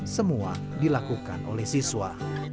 semua dilakukan oleh siswa